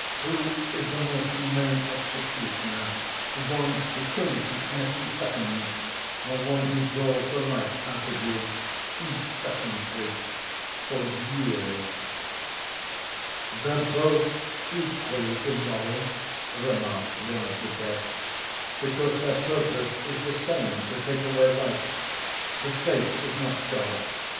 Who is the more humane executioner, one who kills you in a few seconds or one who draws the life out of you incessantly, for years?" "They're both equally immoral," remarked one of the guests, "because their purpose is the same, to take away life. The State is not God.